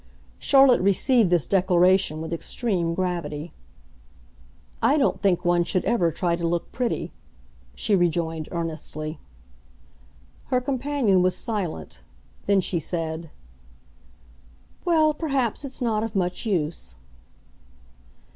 Charlotte received this declaration with extreme gravity. "I don't think one should ever try to look pretty," she rejoined, earnestly. Her companion was silent. Then she said, "Well, perhaps it's not of much use."